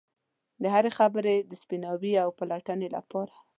د هرې خبرې د سپیناوي او پلټنې لپاره.